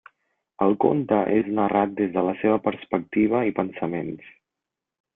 El conte és narrat des de la seva perspectiva i pensaments.